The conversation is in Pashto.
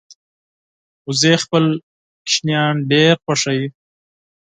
وزې خپل کوچنیان ډېر خوښوي